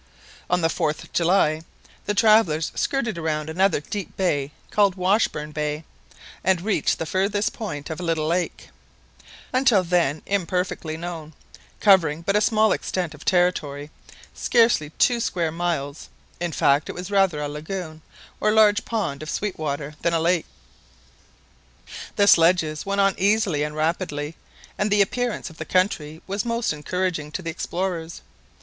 On the 4th July the travellers skirted round another deep bay called Washburn Bay, and reached the furthest point of a little lake, until then imperfectly known, covering but a small extent of territory, scarcely two square miles in fact it was rather a lagoon, or large pond of sweet water, than a lake. The sledges went on easily and rapidly, and the appearance of the country was most encouraging to the explorers.